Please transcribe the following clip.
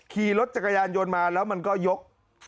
ขี่รถจักรยานยนต์มาแล้วมันก็ยก